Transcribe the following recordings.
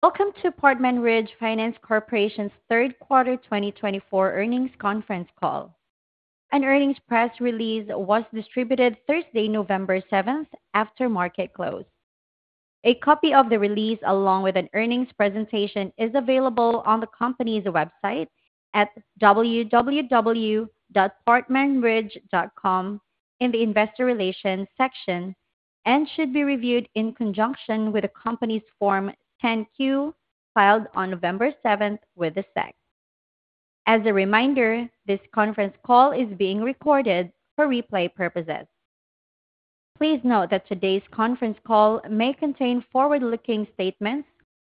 Welcome to Portman Ridge Finance Corporation's third quarter 2024 earnings conference call. An earnings press release was distributed Thursday, November 7th, after market close. A copy of the release, along with an earnings presentation, is available on the company's website at www.portmanridge.com in the Investor Relations section and should be reviewed in conjunction with the company's Form 10-Q filed on November 7th with the SEC. As a reminder, this conference call is being recorded for replay purposes. Please note that today's conference call may contain forward-looking statements,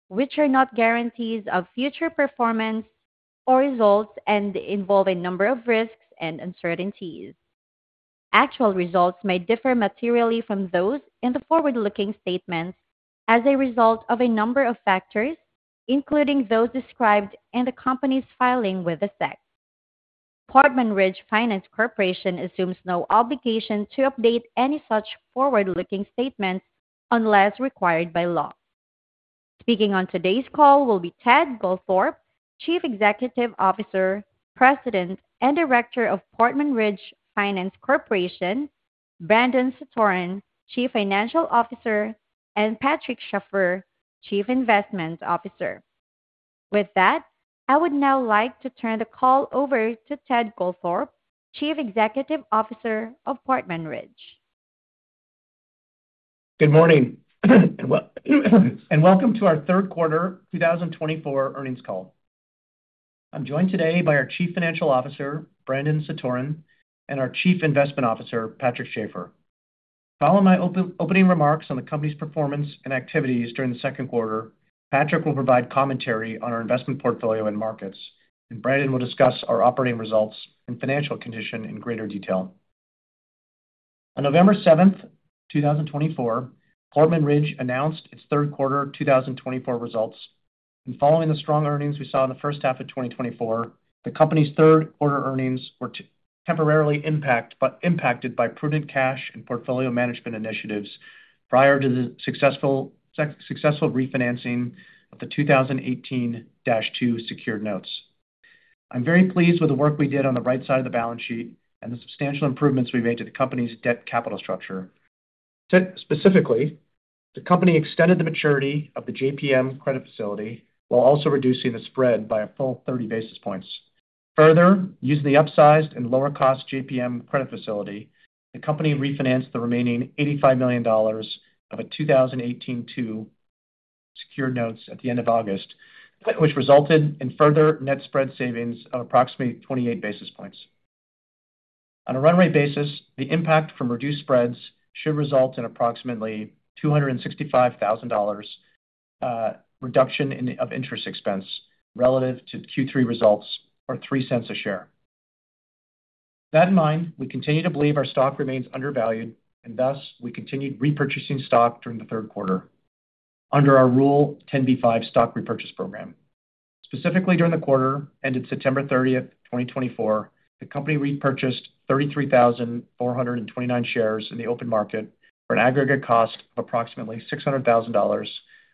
which are not guarantees of future performance or results and involve a number of risks and uncertainties. Actual results may differ materially from those in the forward-looking statements as a result of a number of factors, including those described in the company's filing with the SEC. Portman Ridge Finance Corporation assumes no obligation to update any such forward-looking statements unless required by law. Speaking on today's call will be Ted Goldthorpe, Chief Executive Officer, President and Director of Portman Ridge Finance Corporation; Brandon Satoren, Chief Financial Officer; and Patrick Schafer, Chief Investment Officer. With that, I would now like to turn the call over to Ted Goldthorpe, Chief Executive Officer of Portman Ridge. Good morning and welcome to our third quarter 2024 earnings call. I'm joined today by our Chief Financial Officer, Brandon Satoren, and our Chief Investment Officer, Patrick Schafer. Following my opening remarks on the company's performance and activities during the second quarter, Patrick will provide commentary on our investment portfolio and markets, and Brandon will discuss our operating results and financial condition in greater detail. On November 7th, 2024, Portman Ridge announced its third quarter 2024 results. Following the strong earnings we saw in the first half of 2024, the company's third quarter earnings were temporarily impacted by prudent cash and portfolio management initiatives prior to the successful refinancing of the 2018-2 Secured Notes. I'm very pleased with the work we did on the right side of the balance sheet and the substantial improvements we made to the company's debt capital structure. Specifically, the company extended the maturity of the JPM credit facility while also reducing the spread by a full 30 basis points. Further, using the upsized and lower-cost JPM credit facility, the company refinanced the remaining $85 million of the 2018-2 secured notes at the end of August, which resulted in further net spread savings of approximately 28 basis points. On a run rate basis, the impact from reduced spreads should result in approximately $265,000 reduction of interest expense relative to Q3 results or $0.03 a share. With that in mind, we continue to believe our stock remains undervalued and thus we continued repurchasing stock during the third quarter under our Rule 10b-5 stock repurchase program. Specifically, during the quarter ended September 30th, 2024, the company repurchased 33,429 shares in the open market for an aggregate cost of approximately $600,000,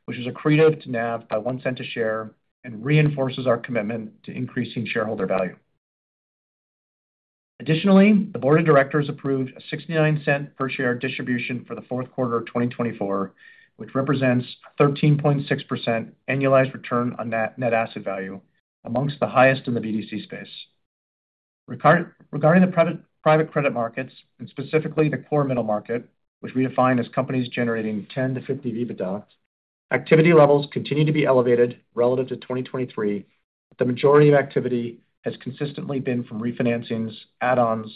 which was accretive to NAV by $0.01 a share and reinforces our commitment to increasing shareholder value. Additionally, the Board of Directors approved a $0.69 per share distribution for fourth quarter 2024, which represents a 13.6% annualized return on net asset value, among the highest in the BDC space. Regarding the private credit markets, and specifically the core middle market, which we define as companies generating 10-50 million in EBITDA, activity levels continue to be elevated relative to 2023, but the majority of activity has consistently been from refinancings, add-ons,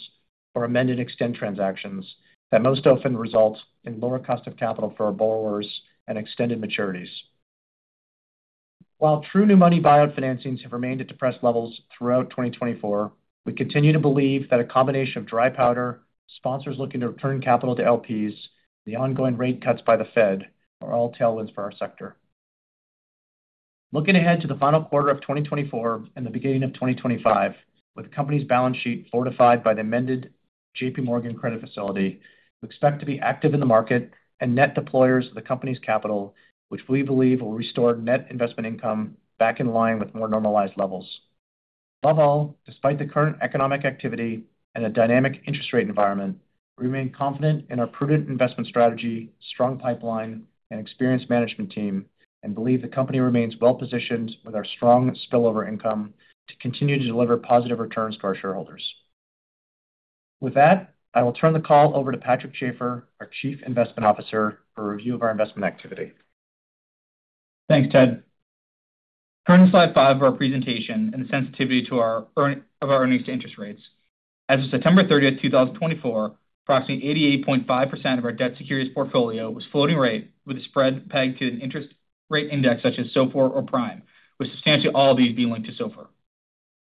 or amend-and-extend transactions that most often result in lower cost of capital for borrowers and extended maturities. While true new money buyout financings have remained at depressed levels throughout 2024, we continue to believe that a combination of dry powder, sponsors looking to return capital to LPs, and the ongoing rate cuts by the Fed are all tailwinds for our sector. Looking ahead to the final quarter of 2024 and the beginning of 2025, with the company's balance sheet fortified by the amended JPMorgan credit facility, we expect to be active in the market and net deployers of the company's capital, which we believe will restore net investment income back in line with more normalized levels. Above all, despite the current economic activity and a dynamic interest rate environment, we remain confident in our prudent investment strategy, strong pipeline, and experienced management team, and believe the company remains well positioned with our strong spillover income to continue to deliver positive returns to our shareholders. With that, I will turn the call over to Patrick Schafer, our Chief Investment Officer, for a review of our investment activity. Thanks, Ted. Turning to slide five of our presentation and the sensitivity of our earnings to interest rates. As of September 30th, 2024, approximately 88.5% of our debt securities portfolio was floating rate with a spread pegged to an interest rate index such as SOFR or Prime, with substantially all of these being linked to SOFR.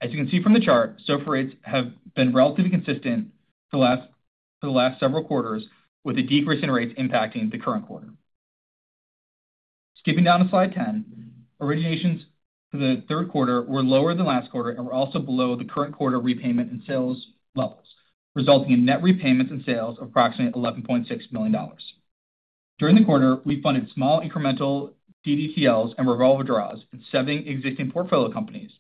As you can see from the chart, SOFR rates have been relatively consistent for the last several quarters, with a decrease in rates impacting the current quarter. Skipping down to slide 10, originations for the third quarter were lower than last quarter and were also below the current quarter repayment and sales levels, resulting in net repayments and sales of approximately $11.6 million. During the quarter, we funded small incremental DDTLs and revolving draws in seven existing portfolio companies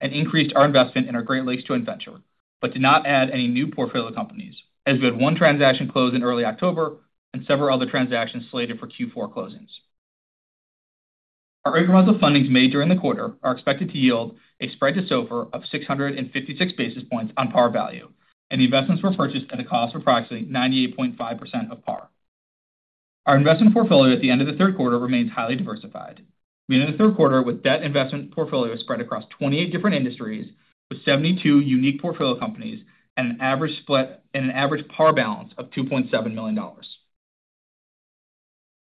and increased our investment in our Great Lakes Joint Venture, but did not add any new portfolio companies, as we had one transaction close in early October and several other transactions slated for Q4 closings. Our incremental fundings made during the quarter are expected to yield a spread to SOFR of 656 basis points on par value, and the investments were purchased at a cost of approximately 98.5% of par. Our investment portfolio at the end of the third quarter remains highly diversified. We ended the third quarter with debt investment portfolio spread across 28 different industries with 72 unique portfolio companies and an average PAR balance of $2.7 million.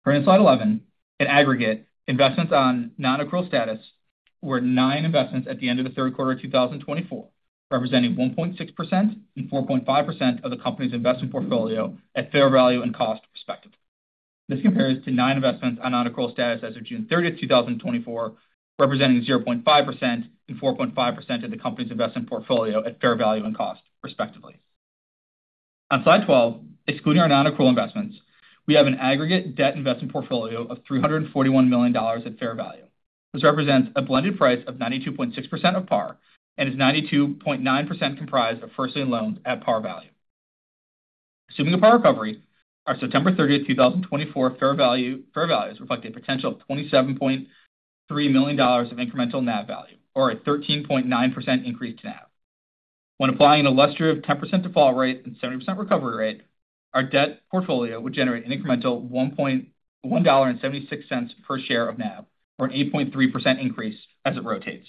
Turning to slide 11, in aggregate, investments on non-accrual status were nine investments at the end of the third quarter of 2024, representing 1.6% and 4.5% of the company's investment portfolio at fair value and cost, respectively. This compares to nine investments on non-accrual status as of June 30th, 2024, representing 0.5% and 4.5% of the company's investment portfolio at fair value and cost, respectively. On slide 12, excluding our non-accrual investments, we have an aggregate debt investment portfolio of $341 million at fair value. This represents a blended price of 92.6% of par and is 92.9% comprised of first-lien loans at par value. Assuming a par recovery, our September 30th, 2024, fair values reflect a potential of $27.3 million of incremental NAV value, or a 13.9% increase to NAV. When applying an illustrative 10% default rate and 70% recovery rate, our debt portfolio would generate an incremental $1.76 per share of NAV, or an 8.3% increase as it relates.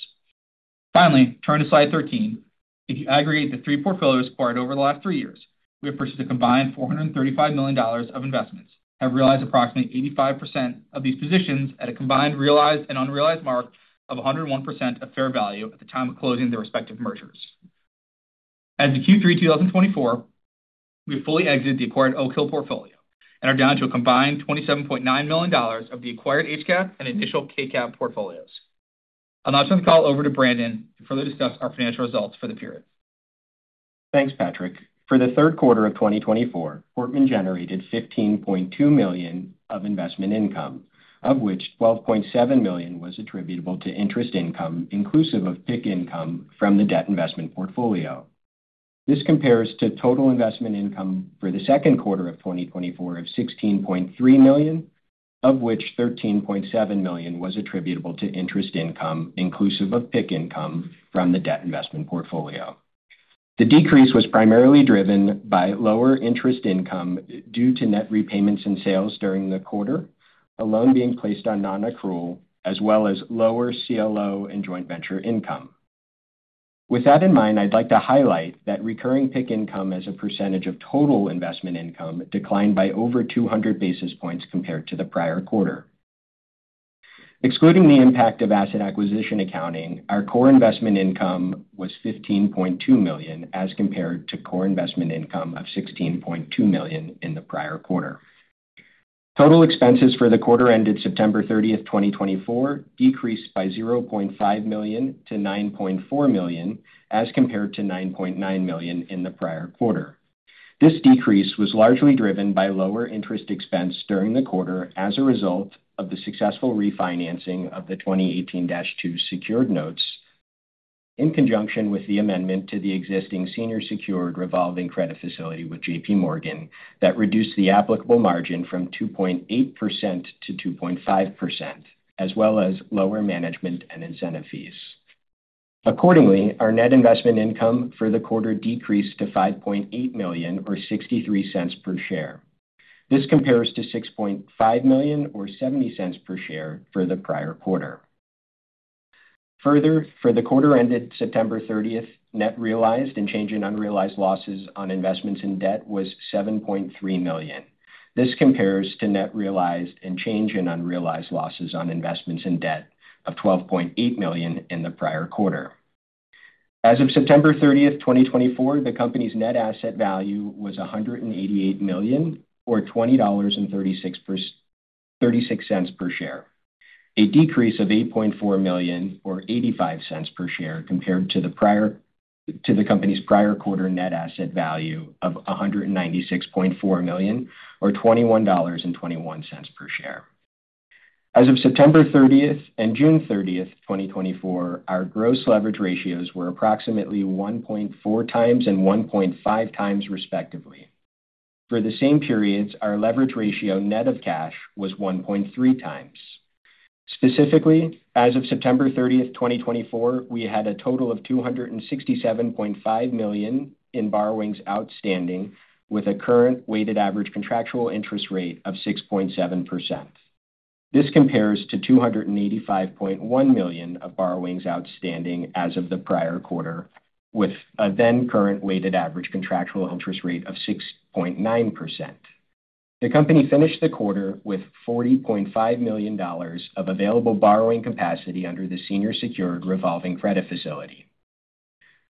Finally, turning to slide 13, if you aggregate the three portfolios acquired over the last three years, we have purchased a combined $435 million of investments, have realized approximately 85% of these positions at a combined realized and unrealized mark of 101% of fair value at the time of closing the respective mergers. As of Q3 2024, we have fully exited the acquired Oak Hill portfolio and are down to a combined $27.9 million of the acquired HCAP and initial KCAP portfolios. I'll now turn the call over to Brandon to further discuss our financial results for the period. Thanks, Patrick. For the third quarter of 2024, Portman generated $15.2 million of investment income, of which $12.7 million was attributable to interest income inclusive of PIK income from the debt investment portfolio. This compares to total investment income for the second quarter of 2024 of $16.3 million, of which $13.7 million was attributable to interest income inclusive of PIK income from the debt investment portfolio. The decrease was primarily driven by lower interest income due to net repayments and sales during the quarter, a loan being placed on non-accrual, as well as lower CLO and joint venture income. With that in mind, I'd like to highlight that recurring PIK income as a percentage of total investment income declined by over 200 basis points compared to the prior quarter. Excluding the impact of asset acquisition accounting, our core investment income was $15.2 million as compared to core investment income of $16.2 million in the prior quarter. Total expenses for the quarter ended September 30th, 2024, decreased by $0.5 million-$9.4 million as compared to $9.9 million in the prior quarter. This decrease was largely driven by lower interest expense during the quarter as a result of the successful refinancing of the 2018-2 secured notes in conjunction with the amendment to the existing senior secured revolving credit facility with JPMorgan that reduced the applicable margin from 2.8%-2.5%, as well as lower management and incentive fees. Accordingly, our net investment income for the quarter decreased to $5.8 million, or $0.63 per share. This compares to $6.5 million, or $0.70 per share for the prior quarter. Further, for the quarter ended September 30, net realized and change in unrealized losses on investments in debt was $7.3 million. This compares to net realized and change in unrealized losses on investments in debt of $12.8 million in the prior quarter. As of September 30th, 2024, the company's net asset value was $188 million, or $20.36 per share, a decrease of $8.4 million, or $0.85 per share compared to the company's prior quarter net asset value of $196.4 million, or $21.21 per share. As of September 30th and June 30th, 2024, our gross leverage ratios were approximately 1.4x and 1.5x, respectively. For the same periods, our leverage ratio net of cash was 1.3x. Specifically, as of September 30th, 2024, we had a total of $267.5 million in borrowings outstanding, with a current weighted average contractual interest rate of 6.7%. This compares to $285.1 million of borrowings outstanding as of the prior quarter, with a then-current weighted average contractual interest rate of 6.9%. The company finished the quarter with $40.5 million of available borrowing capacity under the senior secured revolving credit facility.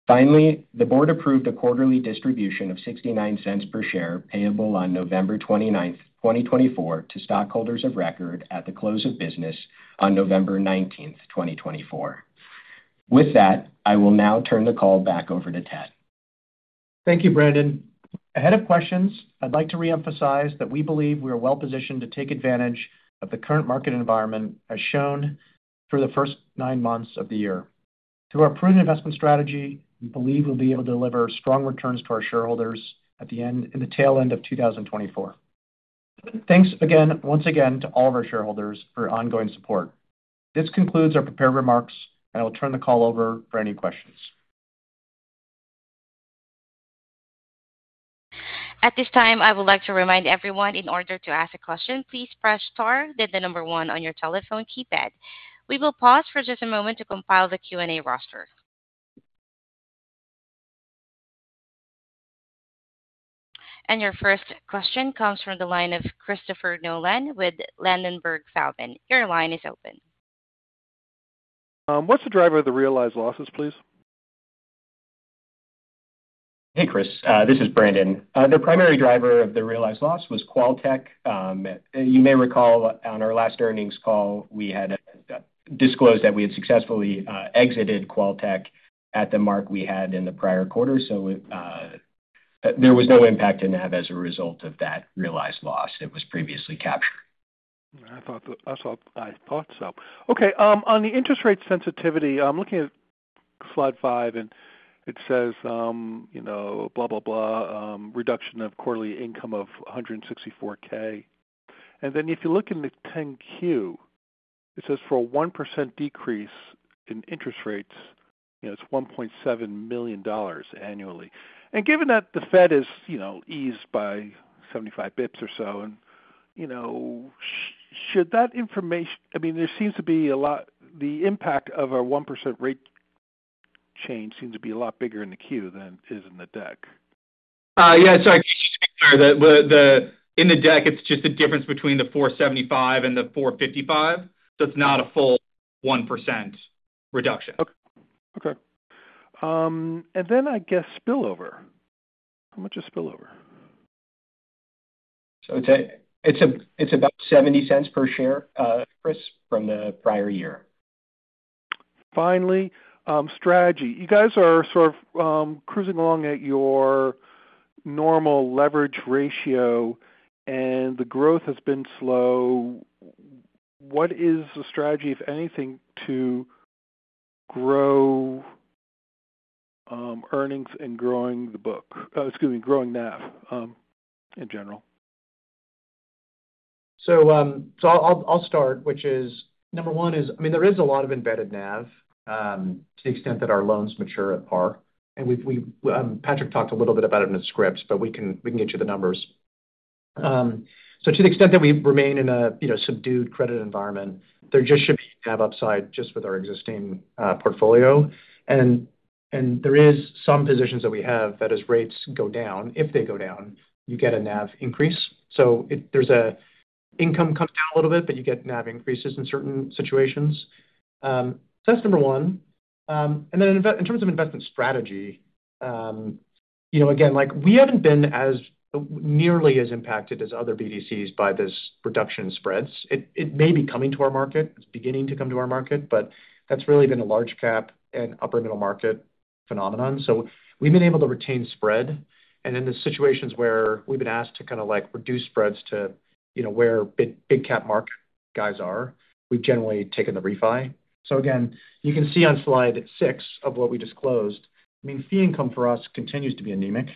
Finally, the board approved a quarterly distribution of $0.69 per share payable on November 29th, 2024, to stockholders of record at the close of business on November 19th, 2024. With that, I will now turn the call back over to Ted. Thank you, Brandon. Ahead of questions, I'd like to reemphasize that we believe we are well positioned to take advantage of the current market environment, as shown through the first nine months of the year. Through our prudent investment strategy, we believe we'll be able to deliver strong returns to our shareholders at the tail end of 2024. Thanks again, once again, to all of our shareholders for ongoing support. This concludes our prepared remarks, and I'll turn the call over for any questions. At this time, I would like to remind everyone in order to ask a question, please press star, then the number one on your telephone keypad. We will pause for just a moment to compile the Q&A roster. And your first question comes from the line of Christopher Nolan with Ladenburg Thalmann. Your line is open. What's the driver of the realized losses, please? Hey, Chris. This is Brandon. The primary driver of the realized loss was QualTek. You may recall on our last earnings call, we had disclosed that we had successfully exited QualTek at the mark we had in the prior quarter. So there was no impact in NAV as a result of that realized loss that was previously captured. I thought so. Okay. On the interest rate sensitivity, I'm looking at slide five, and it says, blah, blah, blah, reduction of quarterly income of $164K. And then if you look in the 10-Q, it says for a 1% decrease in interest rates, it's $1.7 million annually. And given that the Fed has eased by 75 basis points or so, should that information? I mean, there seems to be a lot; the impact of our 1% rate change seems to be a lot bigger in the Q than it is in the deck. Yeah. Sorry. Just to make sure that in the deck, it's just the difference between the 475 and the 455. So it's not a full 1% reduction. Okay. And then I guess spillover. How much is spillover? So it's about $0.70 per share, Chris, from the prior year. Finally, strategy. You guys are sort of cruising along at your normal leverage ratio, and the growth has been slow. What is the strategy, if anything, to grow earnings and growing the book, excuse me, growing NAV in general? So I'll start, which is number one is. I mean, there is a lot of embedded NAV to the extent that our loans mature at par. And Patrick talked a little bit about it in the scripts, but we can get you the numbers. So to the extent that we remain in a subdued credit environment, there just should be NAV upside just with our existing portfolio. And there are some positions that we have that as rates go down, if they go down, you get a NAV increase. So income comes down a little bit, but you get NAV increases in certain situations. So that's number one. And then in terms of investment strategy, again, we haven't been nearly as impacted as other BDCs by this reduction in spreads. It may be coming to our market. It's beginning to come to our market, but that's really been a large-cap and upper-middle-market phenomenon. So we've been able to retain spread. And in the situations where we've been asked to kind of reduce spreads to where big-cap market guys are, we've generally taken the refi. So again, you can see on slide six of what we just closed, I mean, fee income for us continues to be anemic.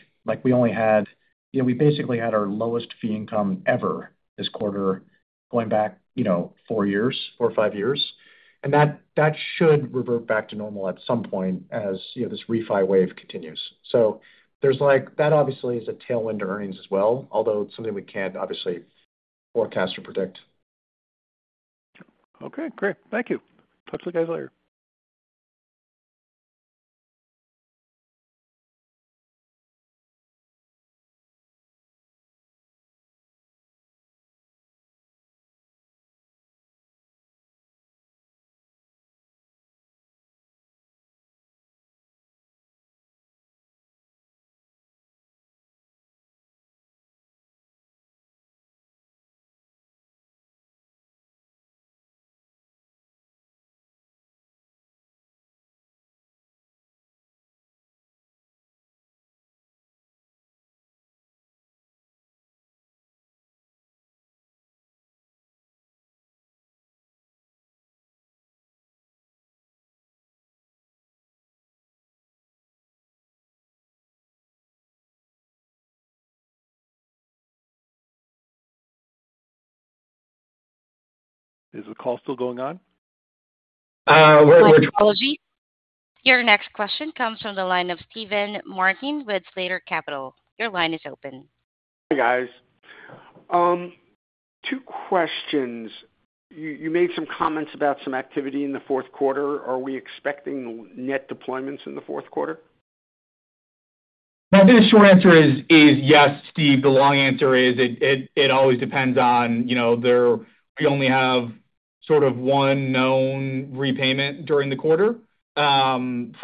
We basically had our lowest fee income ever this quarter going back four years, four or five years. And that should revert back to normal at some point as this refi wave continues. So that obviously is a tailwind to earnings as well, although it's something we can't obviously forecast or predict. Okay. Great. Thank you. Talk to you guys later. Is the call still going on? We're doing well. Apologies. Your next question comes from the line of Steven Martin with Slater Capital. Your line is open. Hi, guys. Two questions. You made some comments about some activity in the fourth quarter. Are we expecting net deployments in the fourth quarter? I think the short answer is yes, Steve. The long answer is it always depends on we only have sort of one known repayment during the quarter for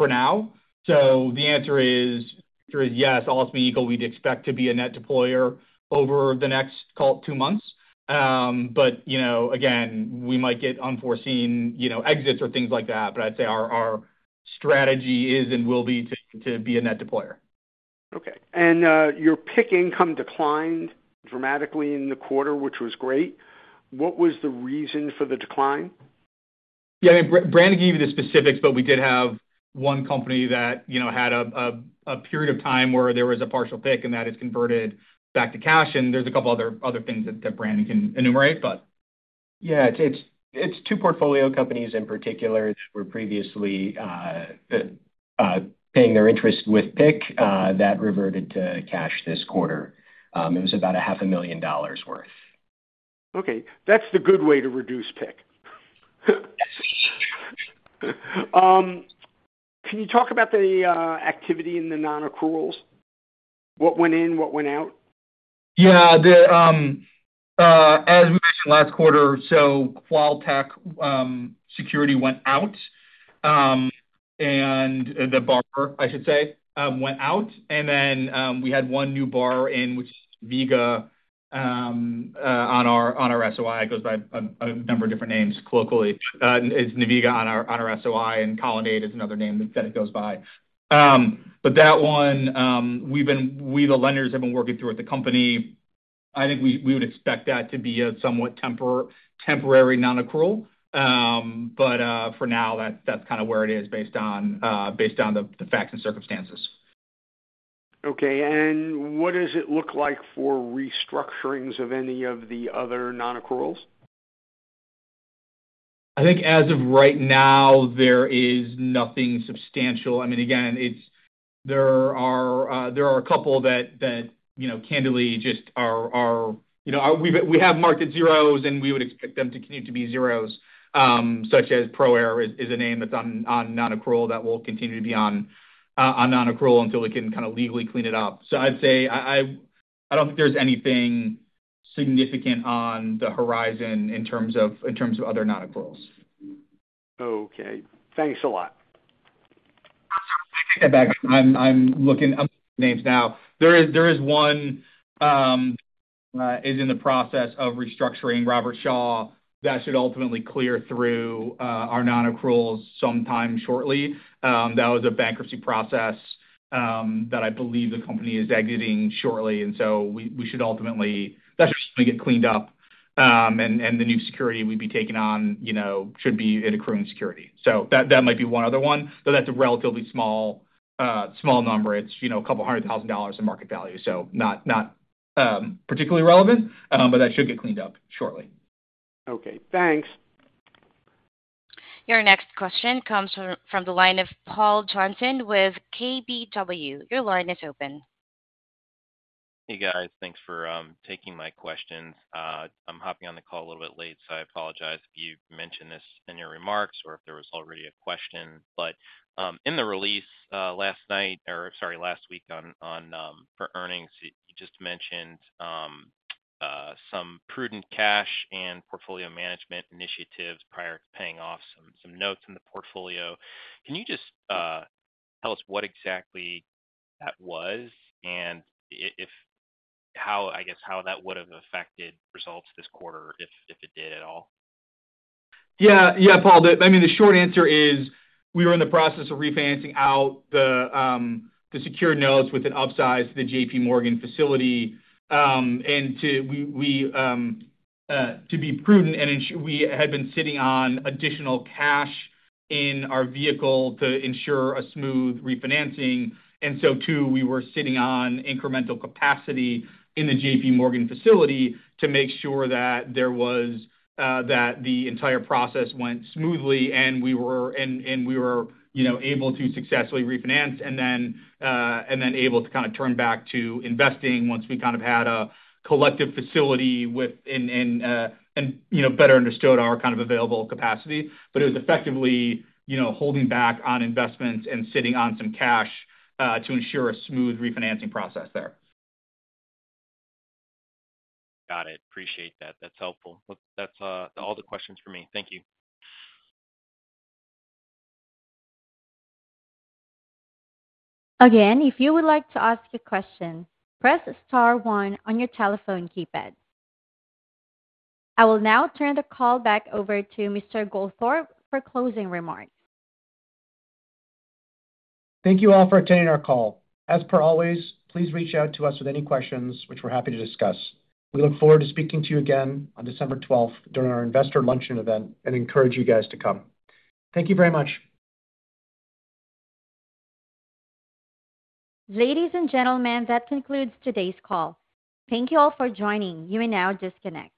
now. The answer is yes, all to be equal, we'd expect to be a net deployer over the next two months. Again, we might get unforeseen exits or things like that. I'd say our strategy is and will be to be a net deployer. Okay. And your PIK income declined dramatically in the quarter, which was great. What was the reason for the decline? Yeah. I mean, Brandon gave you the specifics, but we did have one company that had a period of time where there was a partial PIK, and that has converted back to cash. And there's a couple of other things that Brandon can enumerate, but. Yeah. It's two portfolio companies in particular that were previously paying their interest with PIK that reverted to cash this quarter. It was about $500,000 worth. Okay. That's the good way to reduce PIK. Can you talk about the activity in the non-accruals? What went in, what went out? Yeah. As we mentioned last quarter, so QualTek security went out. And the loan, I should say, went out. And then we had one new loan in, which is Inviga on non-accrual. It goes by a number of different names colloquially. It's Inviga on non-accrual, and Colonnade is another name that goes by. But that one, we, the lenders have been working through at the company. I think we would expect that to be a somewhat temporary non-accrual. But for now, that's kind of where it is based on the facts and circumstances. Okay. And what does it look like for restructurings of any of the other non-accruals? I think as of right now, there is nothing substantial. I mean, again, there are a couple that candidly just are we have marked at zeros, and we would expect them to continue to be zeros, such as ProAir is a name that's on non-accrual that will continue to be on non-accrual until we can kind of legally clean it up. So I'd say I don't think there's anything significant on the horizon in terms of other non-accruals. Okay. Thanks a lot. I'm looking at names now. There is one that is in the process of restructuring, Robertshaw. That should ultimately clear through our non-accruals sometime shortly. That was a bankruptcy process that I believe the company is exiting shortly, and so we should ultimately get cleaned up. And the new security we'd be taking on should be an accruing security, so that might be one other one. But that's a relatively small number. It's $200,000 in market value, so not particularly relevant. But that should get cleaned up shortly. Okay. Thanks. Your next question comes from the line of Paul Johnson with KBW. Your line is open. Hey, guys. Thanks for taking my questions. I'm hopping on the call a little bit late, so I apologize if you mentioned this in your remarks or if there was already a question. But in the release last night or sorry, last week for earnings, you just mentioned some prudent cash and portfolio management initiatives prior to paying off some notes in the portfolio. Can you just tell us what exactly that was and, I guess, how that would have affected results this quarter if it did at all? Yeah. Yeah, Paul. I mean, the short answer is we were in the process of refinancing out the secured notes with an upsize to the JPMorgan facility, and to be prudent, we had been sitting on additional cash in our vehicle to ensure a smooth refinancing. And so, too, we were sitting on incremental capacity in the JPMorgan facility to make sure that the entire process went smoothly and we were able to successfully refinance and then able to kind of turn back to investing once we kind of had a collective facility and better understood our kind of available capacity, but it was effectively holding back on investments and sitting on some cash to ensure a smooth refinancing process there. Got it. Appreciate that. That's helpful. That's all the questions for me. Thank you. Again, if you would like to ask a question, press star one on your telephone keypad. I will now turn the call back over to Mr. Goldthorpe for closing remarks. Thank you all for attending our call. As per always, please reach out to us with any questions, which we're happy to discuss. We look forward to speaking to you again on December 12th during our investor luncheon event and encourage you guys to come. Thank you very much. Ladies and gentlemen, that concludes today's call. Thank you all for joining. You may now disconnect.